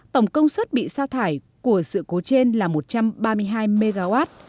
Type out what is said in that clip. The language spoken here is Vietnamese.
tổng công suất bị sa thải của sự cố trên là một trăm ba mươi hai mw